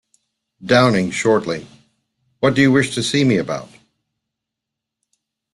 Downing shortly, "what do you wish to see me about?"